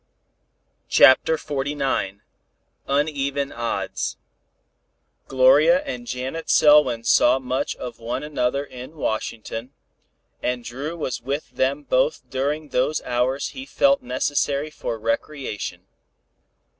CHAPTER XLIX UNEVEN ODDS Gloria and Janet Selwyn saw much of one another in Washington, and Dru was with them both during those hours he felt necessary for recreation.